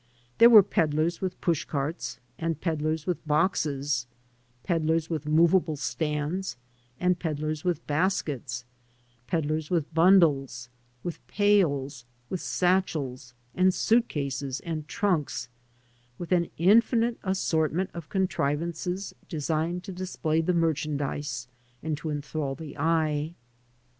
There were peddlers with push 95 V AN AMERICAN IN THE MAKING caxts and peddlers with boxes, peddlers with movable stands and peddlers with baskets, peddlers with bundles, with pails, with satchels and suit cases and trunks, with an infinite assortment of contrivances designed to display the merchandise and to enthrall the eye.